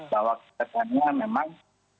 bahwa kita tanya memang